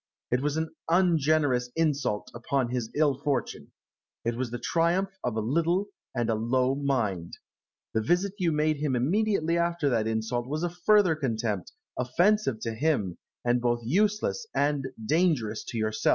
It was an ungenerous insult upon his ill fortune. It was the triumph of a little and a low mind. The visit you made him immediately after that insult was a further contempt, offensive to him, and both useless and dangerous to yourself.